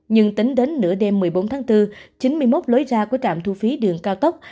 nhưng tính đến nửa đêm một mươi bốn tháng bốn chín mươi một lối ra của trạm thu phí đường cao tốc